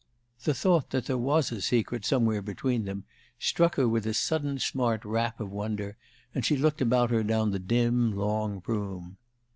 The thought that there was a secret somewhere between them struck her with a sudden smart rap of wonder, and she looked about her down the dim, long room.